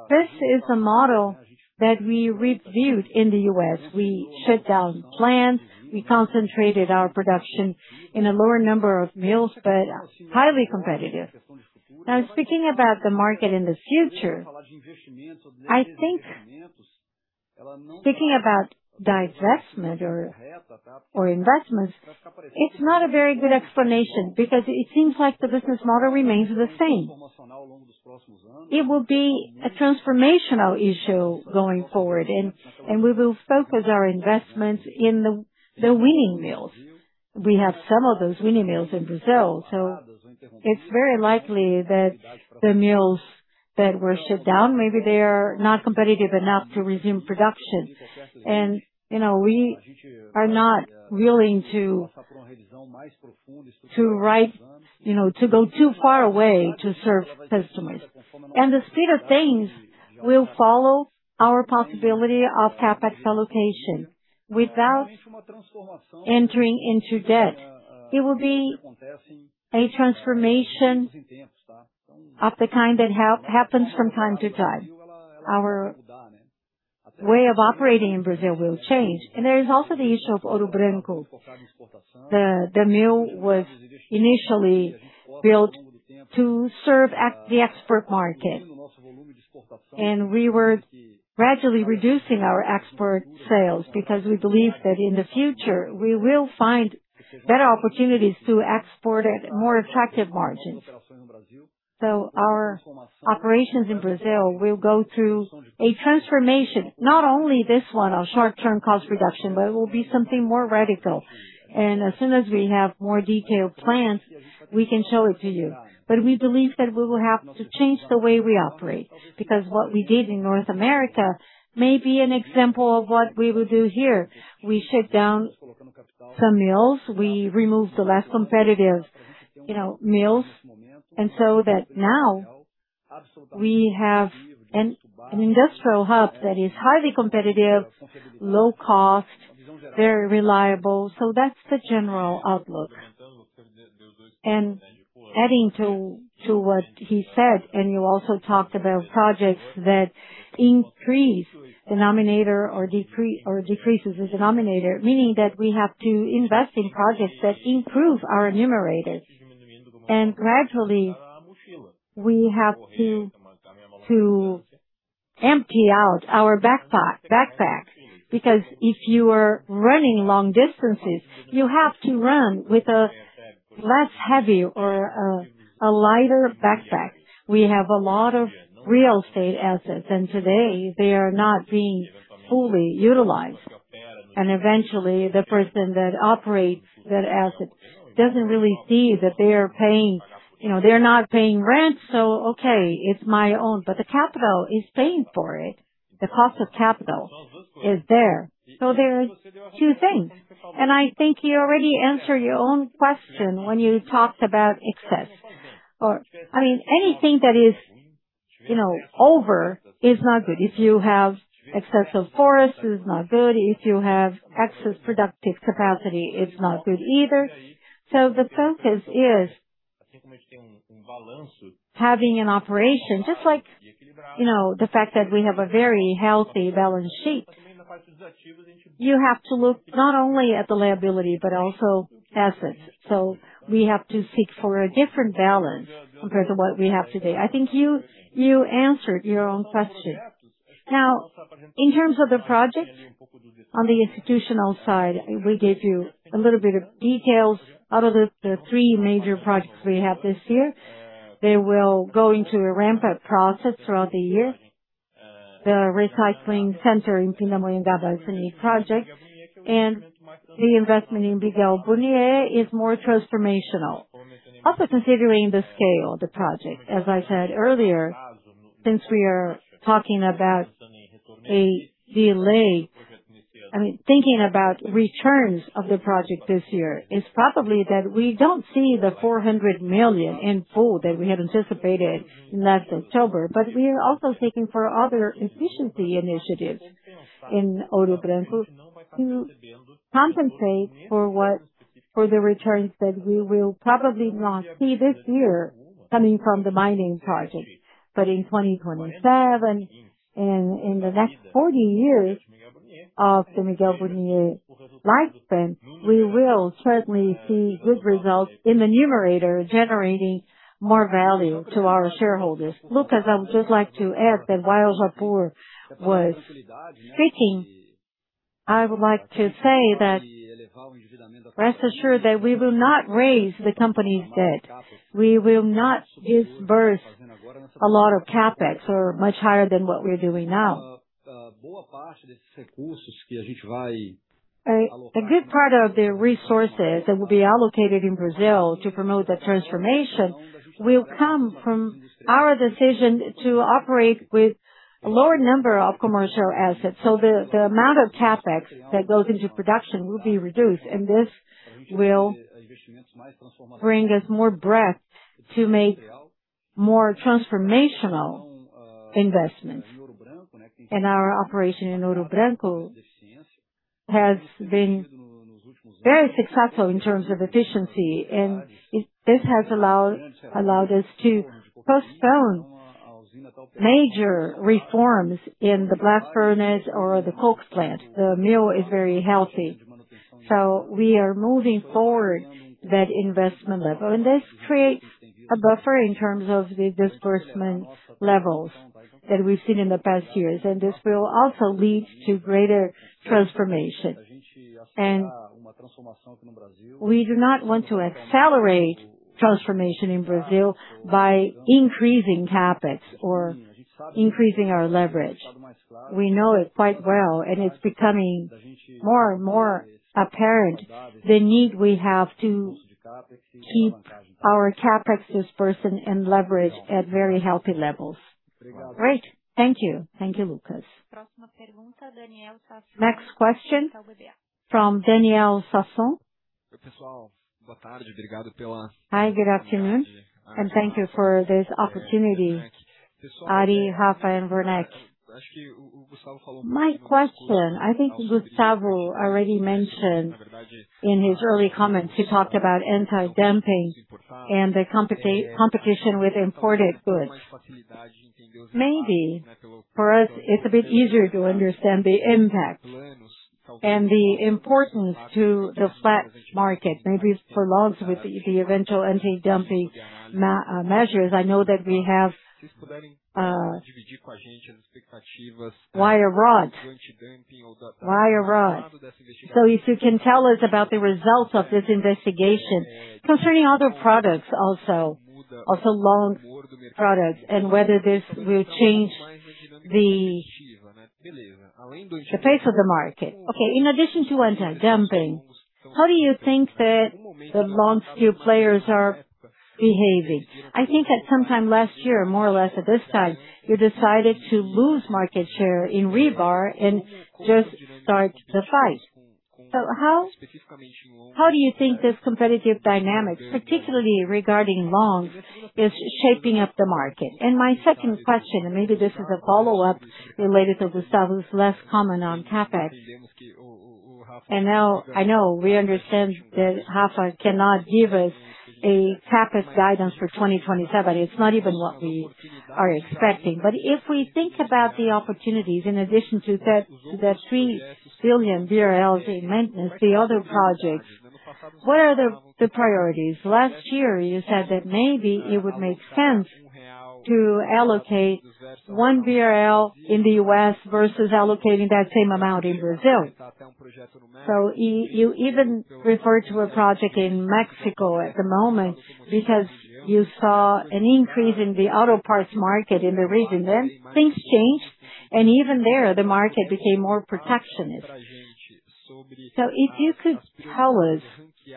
This is a model that we reviewed in the U.S. We shut down plants. We concentrated our production in a lower number of mills, but highly competitive. Speaking about the market in the future, I think speaking about divestment or investments, it's not a very good explanation because it seems like the business model remains the same. It will be a transformational issue going forward and we will focus our investments in the winning mills. We have some of those winning mills in Brazil, so it's very likely that the mills that were shut down, maybe they are not competitive enough to resume production. You know, we are not willing to write, you know, to go too far away to serve customers. The speed of things will follow our possibility of CapEx allocation without entering into debt. It will be a transformation of the kind that happens from time to time. Our way of operating in Brazil will change. There is also the issue of Ouro Branco. The mill was initially built to serve the export market, and we were gradually reducing our export sales because we believe that in the future, we will find better opportunities to export at more attractive margins. Our operations in Brazil will go through a transformation, not only this one, a short-term cost reduction, but it will be something more radical. As soon as we have more detailed plans, we can show it to you. We believe that we will have to change the way we operate, because what we did in North America may be an example of what we will do here. We shut down some mills, we removed the less competitive, you know, mills. Now we have an industrial hub that is highly competitive, low cost, very reliable. That's the general outlook. Adding to what he said, and you also talked about projects that increase denominator or decreases the denominator, meaning that we have to invest in projects that improve our numerator. Gradually, we have to empty out our backpacks. If you are running long distances, you have to run with a less heavy or a lighter backpack. We have a lot of real estate assets, today they are not being fully utilized. Eventually, the person that operates that asset doesn't really see that they are paying, you know, they're not paying rent, so okay, it's my own, but the capital is paying for it. The cost of capital is there. There's two things. I think you already answered your own question when you talked about excess. I mean, anything that is, you know, over is not good. If you have excess of forest, it's not good. If you have excess productive capacity, it's not good either. The focus is having an operation, just like, you know, the fact that we have a very healthy balance sheet. You have to look not only at the liability, but also assets. We have to seek for a different balance compared to what we have today. I think you answered your own question. In terms of the project on the institutional side, we gave you a little bit of details out of the three major projects we have this year. They will go into a ramp-up process throughout the year. The recycling center in Pindamonhangaba is a new project, and the investment in Miguel Burnier is more transformational. Considering the scale of the project, as I said earlier, since we are talking about a delay, I mean, thinking about returns of the project this year, it's probably that we don't see the 400 million in full that we had anticipated last October. We are also seeking for other efficiency initiatives in Ouro Branco to compensate for the returns that we will probably not see this year coming from the mining project. In 2027 and in the next 40 years of the Miguel Burnier lifespan, we will certainly see good results in the numerator, generating more value to our shareholders. Lucas, I would just like to add that while Japur was speaking, I would like to say that rest assured that we will not raise the company's debt. We will not disburse a lot of CapEx or much higher than what we're doing now. A good part of the resources that will be allocated in Brazil to promote the transformation will come from our decision to operate with a lower number of commercial assets. The amount of CapEx that goes into production will be reduced, and this will bring us more breadth to make more transformational investments. Our operation in Ouro Branco has been very successful in terms of efficiency, and this has allowed us to postpone major reforms in the blast furnace or the coke plant. The mill is very healthy. We are moving forward that investment level, and this creates a buffer in terms of the disbursement levels that we've seen in the past years, and this will also lead to greater transformation. We do not want to accelerate transformation in Brazil by increasing CapEx or increasing our leverage. We know it quite well, and it's becoming more and more apparent the need we have to keep our CapEx dispersion and leverage at very healthy levels. Great. Thank you. Thank you, Lucas. Next question from Daniel Sasson. Hi, good afternoon, thank you for this opportunity. Ari, Rafa, and Werneck. My question, I think Gustavo already mentioned in his early comments. He talked about anti-dumping and the competition with imported goods. Maybe for us, it's a bit easier to understand the impact and the importance to the flat market, maybe for longs with the eventual anti-dumping measures. I know that we have wire rod. If you can tell us about the results of this investigation concerning other products also long products, and whether this will change the face of the market. Okay, in addition to anti-dumping, how do you think that the long steel players are behaving? I think at some time last year, more or less at this time, you decided to lose market share in rebar and just start the fight. How do you think this competitive dynamic, particularly regarding longs, is shaping up the market? My second question, and maybe this is a follow-up related to Gustavo's last comment on CapEx. Now I know we understand that Rafa cannot give us a CapEx guidance for 2027. It's not even what we are expecting. If we think about the opportunities, in addition to that, the 3 billion BRL in maintenance, the other projects, what are the priorities? Last year, you said that maybe it would make sense to allocate 1 in the U.S. versus allocating that same amount in Brazil. You even referred to a project in Mexico at the moment because you saw an increase in the auto parts market in the region. Things changed, and even there, the market became more protectionist. If you could tell us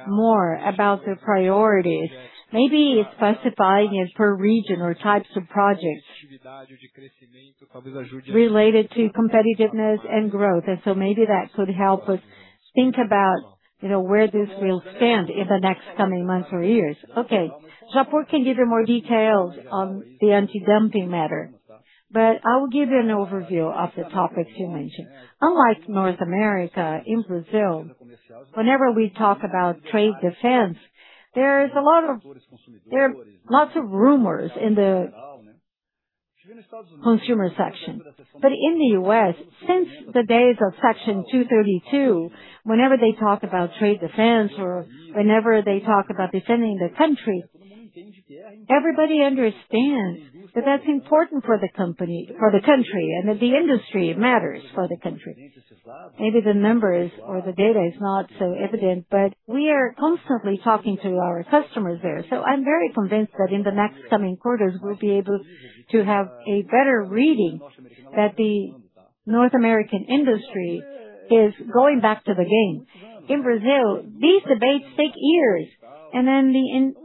more about the priorities, maybe specifying it per region or types of projects related to competitiveness and growth. Maybe that could help us think about, you know, where this will stand in the next coming months or years. Okay. Japur can give you more details on the anti-dumping matter, but I will give you an overview of the topics you mentioned. Unlike North America, in Brazil, whenever we talk about trade defense, there are lots of rumors in the consumer section. In the U.S., since the days of Section 232, whenever they talk about trade defense or whenever they talk about defending the country, everybody understands that that's important for the country and that the industry matters for the country. Maybe the numbers or the data is not so evident, but we are constantly talking to our customers there. I'm very convinced that in the next coming quarters, we'll be able to have a better reading that the North American industry is going back to the game. In Brazil, these debates take years, and then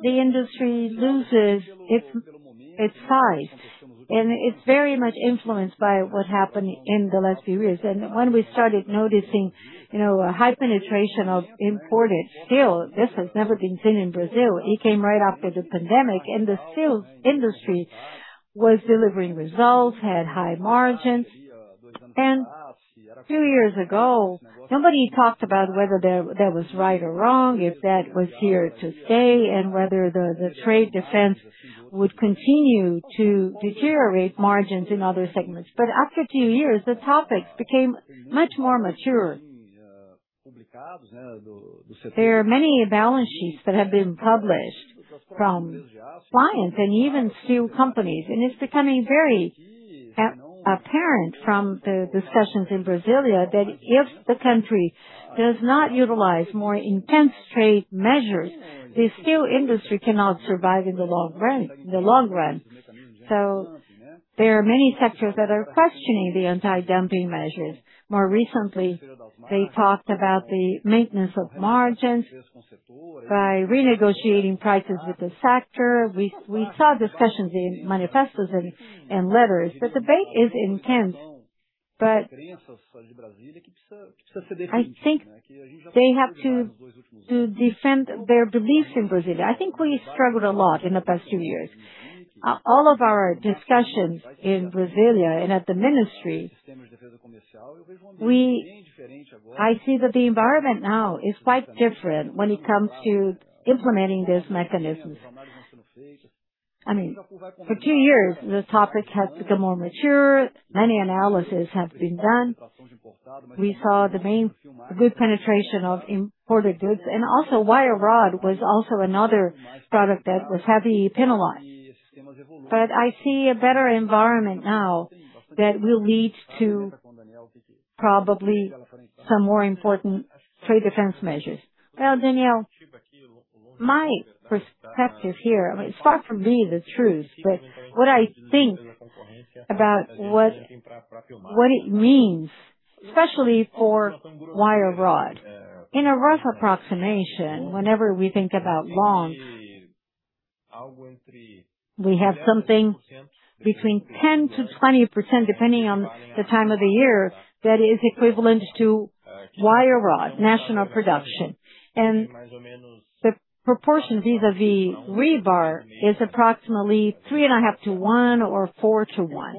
the industry loses its fight. It's very much influenced by what happened in the last few years. When we started noticing, you know, a high penetration of imported steel, this has never been seen in Brazil. It came right after the pandemic, and the steel industry was delivering results, had high margins. A few years ago, nobody talked about whether that was right or wrong, if that was here to stay, and whether the trade defense would continue to deteriorate margins in other segments. After a few years, the topics became much more mature. There are many balance sheets that have been published from clients and even steel companies, and it's becoming very apparent from the discussions in Brasilia that if the country does not utilize more intense trade measures, the steel industry cannot survive in the long run. There are many sectors that are questioning the anti-dumping measures. More recently, they talked about the maintenance of margins by renegotiating prices with the sector. We saw discussions in manifestos and letters. The debate is intense, but I think they have to defend their beliefs in Brasilia. I think we struggled a lot in the past few years. All of our discussions in Brasilia and at the Ministry, I see that the environment now is quite different when it comes to implementing these mechanisms. I mean, for two years, the topic has become more mature. Many analyses have been done. We saw good penetration of imported goods, and also wire rod was also another product that was heavily penalized. I see a better environment now that will lead to probably some more important trade defense measures. Well, Daniel, my perspective here, I mean, it's far from being the truth, but what I think about what it means, especially for wire rod. In a rough approximation, whenever we think about long, we have something between 10%-20%, depending on the time of the year, that is equivalent to wire rod national production. The proportions vis-à-vis rebar is approximately 3.5 to 1 or 4 to 1.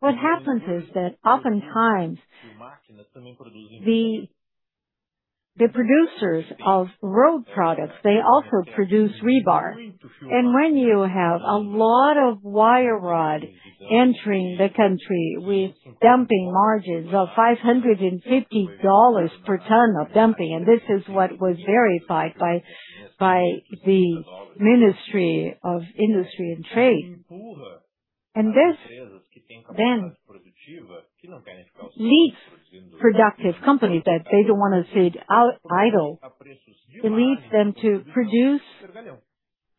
What happens is that oftentimes the producers of rod products, they also produce rebar. When you have a lot of wire rod entering the country with dumping margins of $550 per ton of dumping, this is what was verified by the Ministry of Industry and Trade. This then leads productive companies that they don't wanna sit idle. It leads them to produce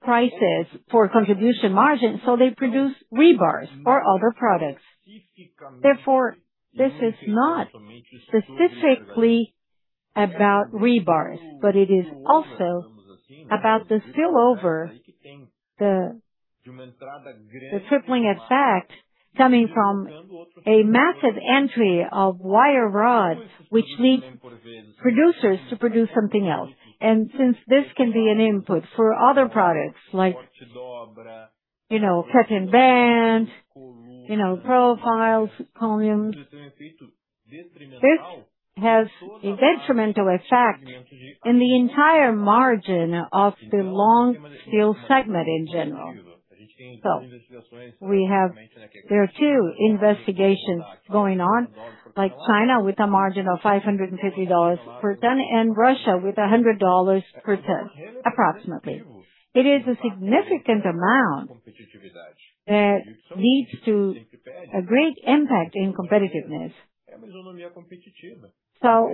prices for contribution margin, so they produce rebars or other products. Therefore, this is not specifically about rebars, but it is also about the spillover, the tripling effect coming from a massive entry of wire rod, which leads producers to produce something else. Since this can be an input for other products like, you know, cutting bands, you know, profiles, columns. This has a detrimental effect in the entire margin of the long steel segment in general. There are two investigations going on, like China with a margin of BRL 550 per ton and Russia with BRL 100 per ton, approximately. It is a significant amount that leads to a great impact in competitiveness.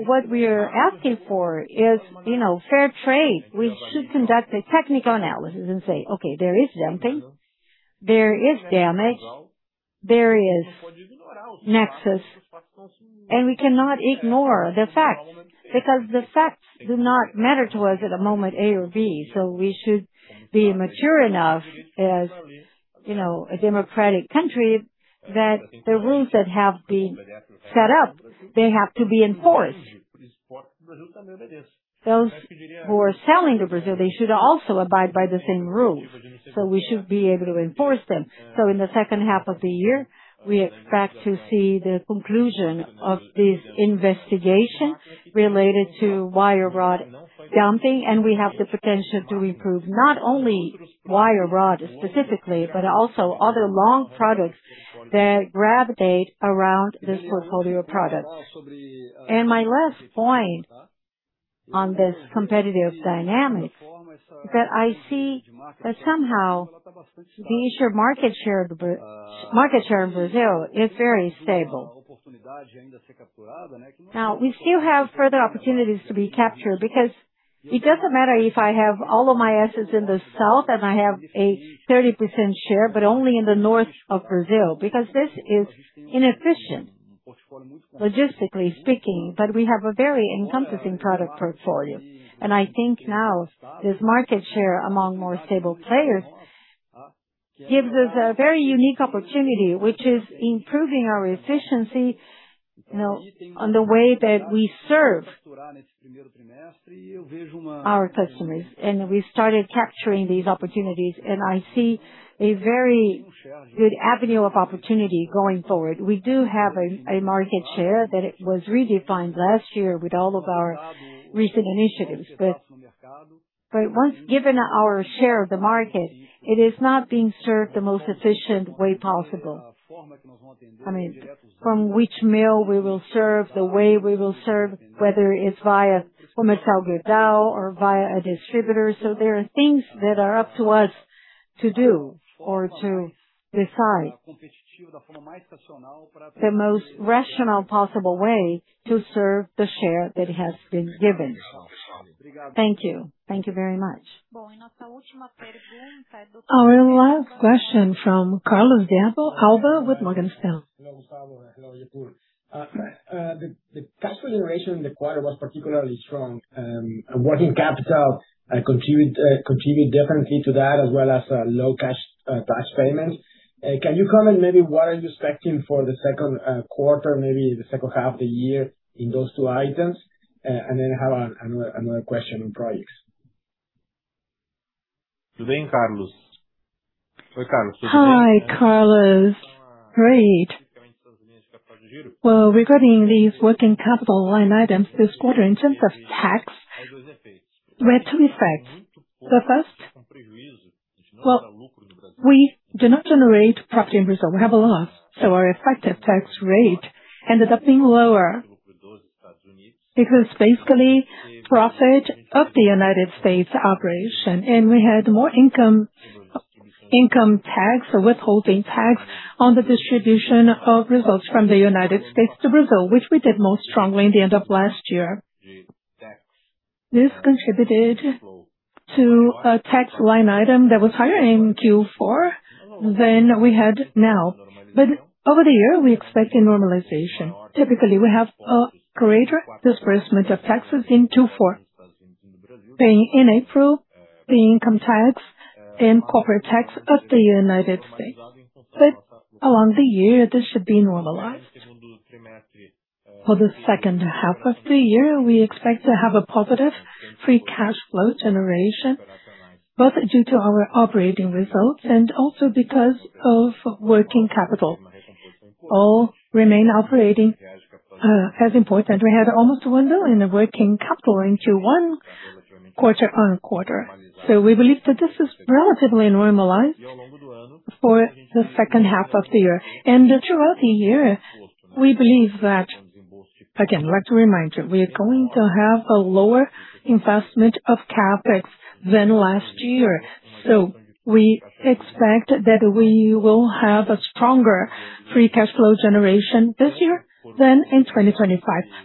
What we are asking for is, you know, fair trade. We should conduct a technical analysis and say, "Okay, there is dumping, there is damage, there is nexus, and we cannot ignore the facts, because the facts do not matter to us at the moment A or B." We should be mature enough, as, you know, a democratic country, that the rules that have been set up, they have to be enforced. Those who are selling to Brazil, they should also abide by the same rules, so we should be able to enforce them. In the second half of the year, we expect to see the conclusion of this investigation related to wire rod dumping, and we have the potential to improve not only wire rod specifically, but also other long products that gravitate around this portfolio product. My last point on this competitive dynamic is that I see that somehow the issue of Market share in Brazil is very stable. Now, we still have further opportunities to be captured because it doesn't matter if I have all of my assets in the south and I have a 30% share, but only in the north of Brazil, because this is inefficient, logistically speaking. We have a very encompassing product portfolio. I think now this market share among more stable players gives us a very unique opportunity, which is improving our efficiency, you know, on the way that we serve our customers. We started capturing these opportunities, and I see a very good avenue of opportunity going forward. We do have a market share that it was redefined last year with all of our recent initiatives. Once given our share of the market, it is not being served the most efficient way possible. I mean, from which mill we will serve, the way we will serve, whether it's via Comercial Gerdau or via a distributor. There are things that are up to us to do or to decide the most rational possible way to serve the share that has been given. Thank you. Thank you very much. Our last question from Carlos de Alba with Morgan Stanley. Hello, Gustavo. Hello, Rafael Japur. The cash flow generation in the quarter was particularly strong. Working capital contributed differently to that, as well as low cash tax payments. Can you comment maybe what are you expecting for the second quarter, maybe the second half of the year in those two items? I have another question on projects. Hi, Carlos. Great. Well, regarding these working capital line items this quarter, in terms of tax, we had two effects. The first, well, we do not generate profit in Brazil. We have a loss. Our effective tax rate ended up being lower. This is basically profit of the United States operation, and we had more income Income tax, withholding tax on the distribution of results from the United States to Brazil, which we did most strongly in the end of last year. This contributed to a tax line item that was higher in Q4 than we had now. Over the year, we expect a normalization. Typically, we have a greater disbursement of taxes in Q4, paying in April the income tax and corporate tax of the United States. Along the year, this should be normalized. For the second half of the year, we expect to have a positive free cash flow generation, both due to our operating results and also because of working capital. All remain operating as important. We had almost 1 billion in working capital in quarter-on-quarter. We believe that this is relatively normalized for the second half of the year. Throughout the year, we believe. Again, I'd like to remind you, we are going to have a lower investment of CapEx than last year. We expect that we will have a stronger free cash flow generation this year than in 2025,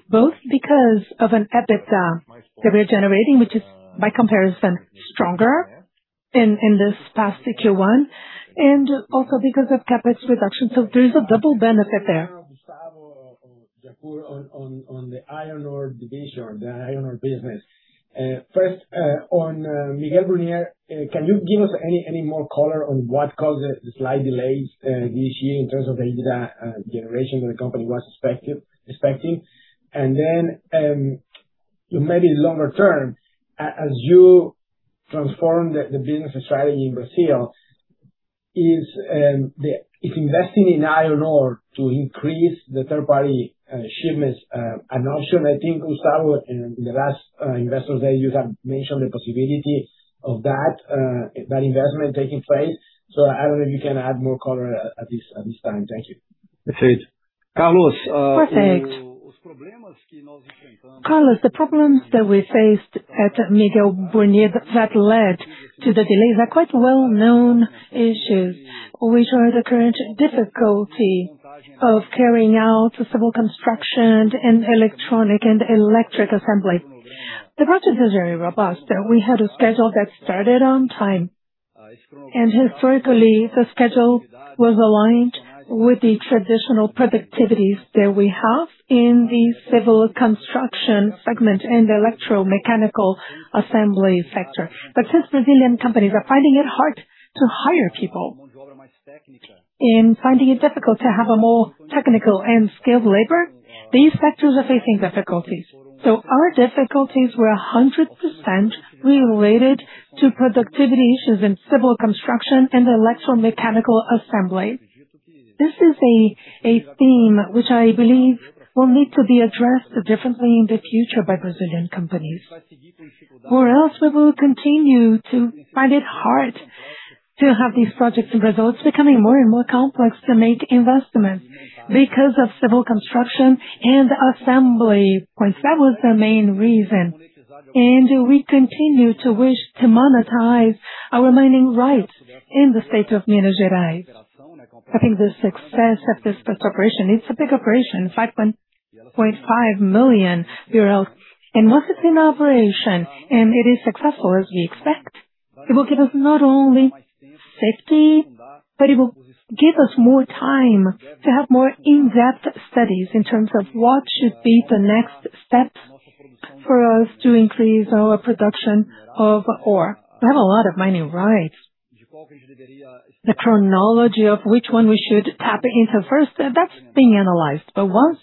both because of an EBITDA that we're generating, which is by comparison, stronger in this past Q1, and also because of CapEx reduction. There is a double benefit there. On the iron ore division, the iron ore business. First, on Miguel Burnier, can you give us any more color on what caused the slight delays this year in terms of the EBITDA generation that the company was expecting? Then, maybe longer term, as you transform the business strategy in Brazil, is investing in iron ore to increase the third-party shipments an option? I think, Gustavo, in the last investors day, you had mentioned the possibility of that investment taking place. I don't know if you can add more color at this time. Thank you. Perfect. Carlos, the problems that we faced at Miguel Burnier that led to the delays are quite well-known issues, which are the current difficulty of carrying out civil construction and electronic and electric assembly. The project is very robust. We had a schedule that started on time. Historically, the schedule was aligned with the traditional productivities that we have in the civil construction segment and electromechanical assembly sector. Since Brazilian companies are finding it hard to hire people and finding it difficult to have a more technical and skilled labor, these sectors are facing difficulties. Our difficulties were 100% related to productivity issues in civil construction and electromechanical assembly. This is a theme which I believe will need to be addressed differently in the future by Brazilian companies. Else we will continue to find it hard to have these projects and results becoming more and more complex to make investments because of civil construction and assembly points. That was the main reason. We continue to wish to monetize our mining rights in the state of Minas Gerais. I think the success of this first operation, it's a big operation, 5.5 million tonnes. Once it's in operation and it is successful as we expect, it will give us not only safety, but it will give us more time to have more in-depth studies in terms of what should be the next steps for us to increase our production of ore. We have a lot of mining rights. The chronology of which one we should tap into first, that's being analyzed. Once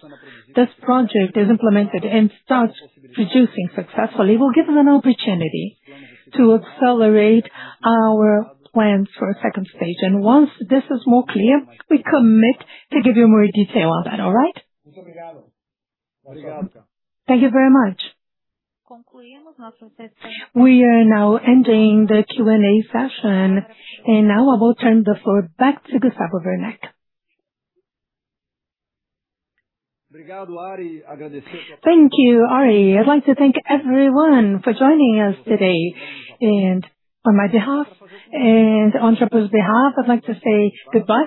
this project is implemented and starts producing successfully, it will give us an opportunity to accelerate our plans for a second stage. Once this is more clear, we commit to give you more detail on that, all right? Thank you very much. We are now ending the Q&A session, and now I will turn the floor back to Gustavo Werneck. Thank you, Ari. I'd like to thank everyone for joining us today. On my behalf and on Japur's behalf, I'd like to say goodbye.